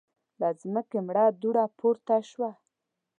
له ځمکې مړه دوړه پورته شوه.